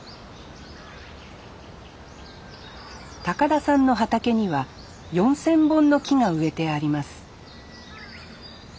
田さんの畑には４，０００本の木が植えてあります